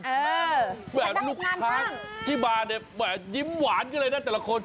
แบบลูกค้าที่มาเนี่ยแหมยิ้มหวานกันเลยนะแต่ละคน